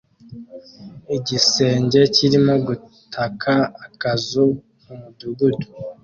Igisenge kirimo gutaka akazu mu mudugudu